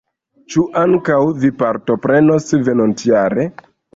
Ĉu ankaŭ vi partoprenos venontjare?